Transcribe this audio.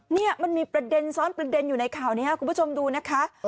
นี่มันมีประเด็นซ้อนประเด็นอยู่ในข่าวนี้คุณผู้ชมดูนะคะ